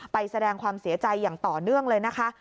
แสดงความเสียใจอย่างต่อเนื่องเลยนะคะ